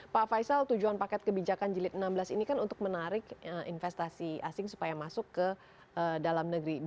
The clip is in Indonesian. pak faisal tujuan paket kebijakan jilid enam belas ini kan untuk menarik investasi asing supaya masuk ke dalam negeri